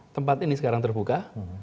tempat ini sekarang terbuka